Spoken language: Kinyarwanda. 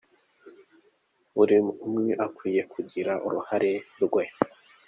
Buri umwe akwiye kugira uruhare rwe.